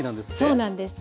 そうなんです。